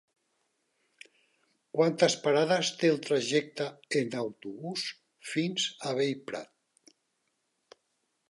Quantes parades té el trajecte en autobús fins a Bellprat?